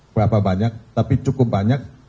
berapa banyak tapi cukup banyak